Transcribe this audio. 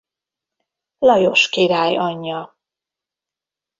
Lajos király anyja.